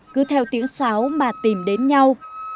cứ theo tiếng sáo mà tìm đến nhau